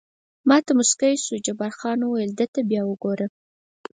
ما ته موسکی شو، جبار خان وویل: ده ته بیا وګوره.